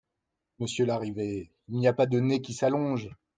Monsieur Larrivé, il n’y a pas de nez qui s’allonge.